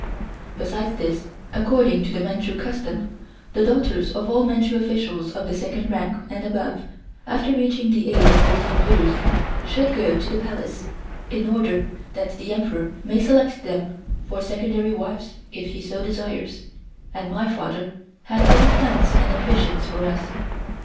Besides this, according to the Manchu custom, the daughters of all Manchu officials of the second rank and above, after reaching the age of fourteen years, should go to the Palace, in order that the Emperor may select them for secondary wives if he so desires, and my father had other plans and ambitions for us.